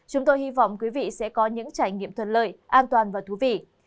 chúng tôi hy vọng quý vị sẽ có những trải nghiệm thuận lợi an toàn và thú vị